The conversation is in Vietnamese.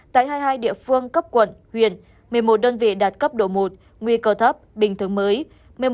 tại hai mươi hai địa phương cấp quận huyện một mươi một đơn vị đạt cấp độ một nguy cơ thấp bình thường mới